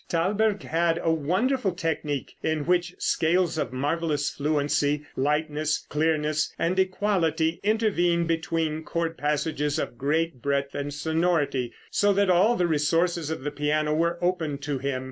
Thalberg had a wonderful technique, in which scales of marvelous fluency, lightness, clearness and equality, intervened between chord passages of great breadth and sonority, so that all the resources of the piano were open to him.